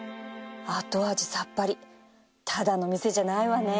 後味さっぱりただの店じゃないわね